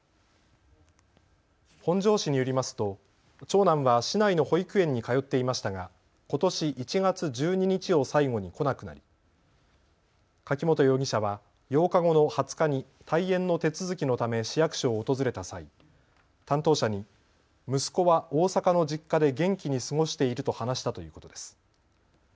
本庄市によりますと長男は市内の保育園に通っていましたがことし１月１２日を最後に来なくなり、柿本容疑者は８日後の２０日に退園の手続きのため市役所を訪れた際、担当者に息子は大阪の実家で元気に過ごしていると話したということです。